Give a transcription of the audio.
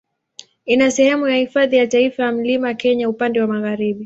Ina sehemu ya Hifadhi ya Taifa ya Mlima Kenya upande wa magharibi.